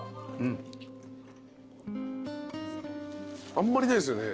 あんまりないですよね。